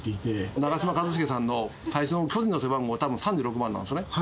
長嶋一茂さんの最初の巨人の背番号、たぶん３６番なんですよね。